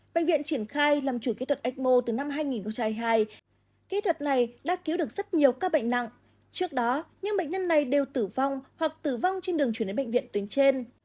bệnh viện triển khai làm chủ kỹ thuật ecmo từ năm hai nghìn hai mươi hai kỹ thuật này đã cứu được rất nhiều các bệnh nặng trước đó những bệnh nhân này đều tử vong hoặc tử vong trên đường chuyển đến bệnh viện tuyến trên